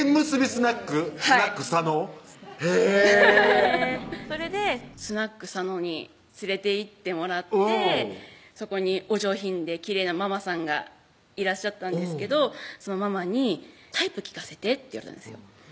スナック？スナック佐のへぇそれでスナック佐のに連れて行ってもらってそこにお上品できれいなママさんがいらっしゃったんですけどそのママに「タイプ聞かせて」って言われたんですよ